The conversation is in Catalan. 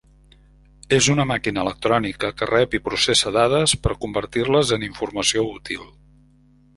És una màquina electrònica que rep i processa dades per a convertir-los en informació útil.